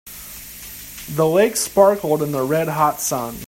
The lake sparkled in the red hot sun.